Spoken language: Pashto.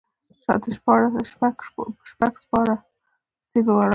شاته شپږ سپاره پسې روان شول.